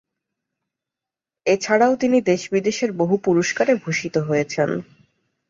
এছাড়াও তিনি দেশ-বিদেশের বহু পুরস্কারে ভূষিত হেয়েছন।